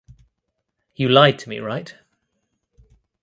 You lied to me right?